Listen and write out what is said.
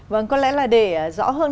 vâng có lẽ là để rõ hơn